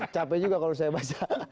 capek juga kalau saya baca